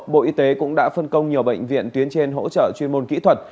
bộ y tế cũng đã phân công nhiều bệnh viện tuyến trên hỗ trợ chuyên môn kỹ thuật